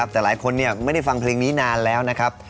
แต่หลายคนไม่ได้ฟังเพลงนี้นานแล้วนะครับ